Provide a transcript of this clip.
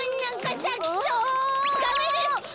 ダメです！